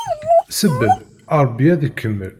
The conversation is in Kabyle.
Sebbeb, Ṛebbi ad ikemmel!